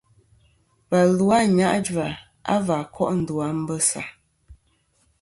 Và lu a Anyajua va ko' ndu a Mbessa.